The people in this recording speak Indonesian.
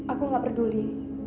aku gak peduli